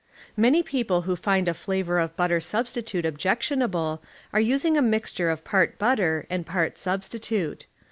Man}^ people who find a flavor of butter substitute objection able are using a mixture of part butter and part substitute.